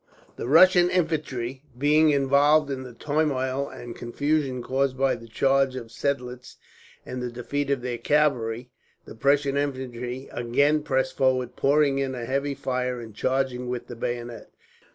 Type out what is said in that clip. The Russian infantry being involved in the turmoil and confusion caused by the charge of Seidlitz, and the defeat of their cavalry, the Prussian infantry again pressed forward, pouring in a heavy fire and charging with the bayonet.